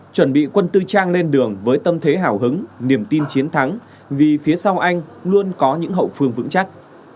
chuẩn bị quân tư trang lên đường với tâm thế hào hứng niềm tin chiến thắng vì phía sau anh luôn có những hậu phương vững chắc